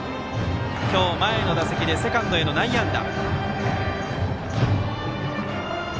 今日、前の打席でセカンドへの内野安打。